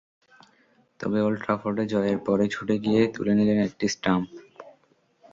তবে ওল্ড ট্রাফোর্ডে জয়ের পরই ছুটে গিয়ে তুলে নিলেন একটি স্টাম্প।